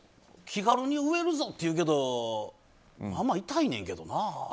気軽に植えるぞって言うけどまあまあ痛いねんけどな。